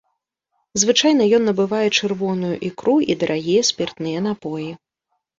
Звычайна ён набывае чырвоную ікру і дарагія спіртныя напоі.